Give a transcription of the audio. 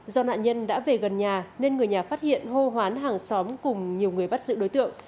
do nạn nhân đã về gần nhà nên người nhà phát hiện hô hoán hàng xóm cùng nhiều người bắt giữ đối tượng